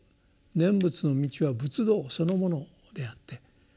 念仏の道は仏道そのものであって。